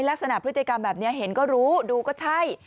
ลักษณะพฤติกรรมแบบนี้เห็นก็รู้ดูก็ใช่